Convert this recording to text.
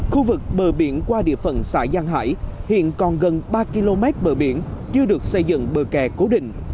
khu vực bờ biển qua địa phận xã giang hải hiện còn gần ba km bờ biển chưa được xây dựng bờ kè cố định